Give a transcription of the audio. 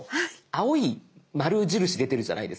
青い丸印出てるじゃないですか。